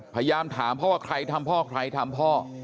พยายามถามพ่อว่าใครทำพ่อใครทำพ่อ